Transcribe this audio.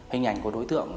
hình ảnh của đối tượng